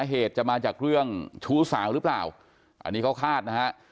เหตุจะมาจากเรื่องชู้สาวหรือเปล่าอันนี้เขาคาดนะฮะ